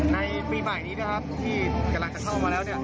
ในปีใหม่นี้ที่กำลังจะเข้ามาแล้ว